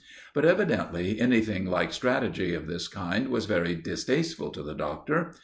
But evidently anything like strategy of this kind was very distasteful to the Doctor.